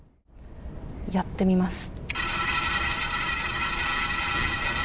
やってみます。